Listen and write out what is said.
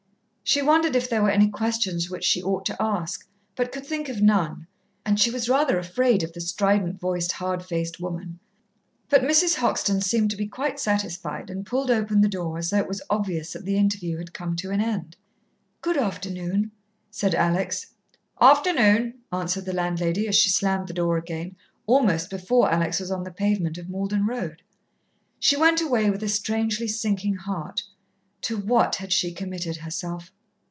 She wondered if there were any questions which she ought to ask, but could think of none, and she was rather afraid of the strident voiced, hard faced woman. But Mrs. Hoxton seemed to be quite satisfied, and pulled open the door as though it was obvious that the interview had come to an end. "Good afternoon," said Alex. "Afternoon," answered the landlady, as she slammed the door again, almost before Alex was on the pavement of Malden Road. She went away with a strangely sinking heart. To what had she committed herself?